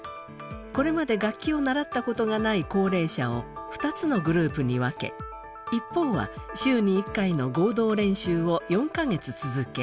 これまで楽器を習ったことがない高齢者を２つのグループに分け一方は週に１回の合同練習を４か月続け